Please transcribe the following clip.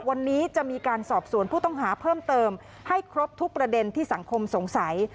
วันนี้จะมีการสอบสวนผู้ต้องหาเพิ่มเติมให้ครบทุกประเด็นที่สังคมสงสัย